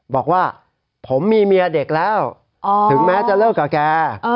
บอกว่าผมมีเมียเด็กแล้วถึงแม้จะเลิกกับแก